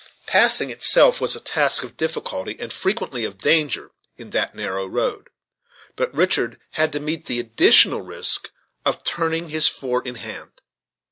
Passing itself was a task of difficulty, and frequently of danger, in that narrow road; but Richard had to meet the additional risk of turning his four in hand.